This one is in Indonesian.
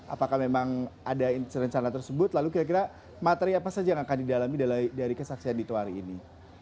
apakah memang ada rencana tersebut lalu kira kira materi apa saja yang akan didalami dari kesaksian dito hari ini